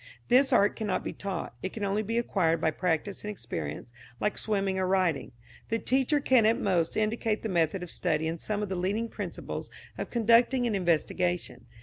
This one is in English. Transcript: This art cannot be taught; it can only be acquired by practice and experience, like swimming or riding. The teacher can at most indicate the method of study and some of the leading principles of conducting an investigation.